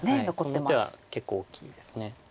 その手は結構大きいです。